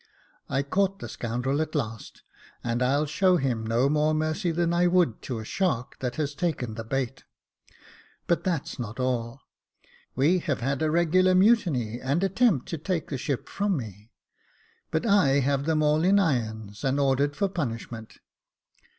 I caught the scoundrel at last, and I'll show him no more mercy than I would to a shark that has taken the bait. But that's not all. "We have had a regular mutiny, and attempt to take the ship from me : but I have them all in irons, and ordered for punishment.